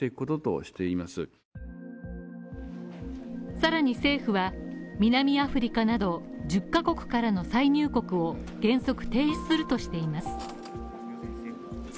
さらに政府は、南アフリカなど１０ヶ国からの再入国を原則停止するとしています。